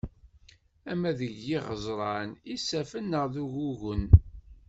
Ama deg yiɣeẓran, isaffen neɣ uggugen.